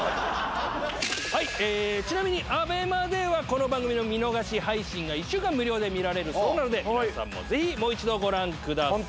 ちなみにＡＢＥＭＡではこの番組の見逃し配信が１週間無料で見られるそうなので皆さんもぜひもう一度ご覧ください。